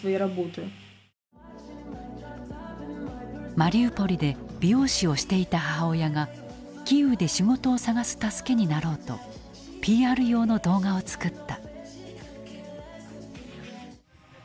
マリウポリで美容師をしていた母親がキーウで仕事を探す助けになろうとＰＲ用の動画を作った。